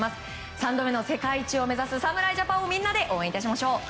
３度目の世界一を目指す侍ジャパンをみんなで応援いたしましょう。